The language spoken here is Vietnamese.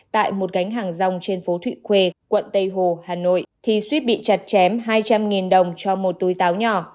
tại một gánh hàng rong trên phố thụy khuê quận tây hồ hà nội thì suýt bị chặt chém hai trăm linh đồng cho một túi táo nhỏ